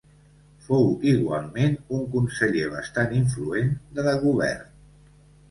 Fou igualment un conseller bastant influent de Dagobert.